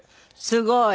すごい。